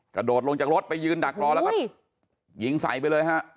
กระโดดลงจากรถไปยืนดักรอแล้วก็ยิงใส่ไปเลยฮะ